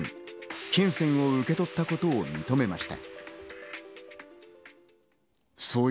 金銭を受け取ったことを認めました。